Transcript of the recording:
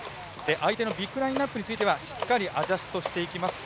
相手のビッグラインアップについてはしっかりアジャストしていきます。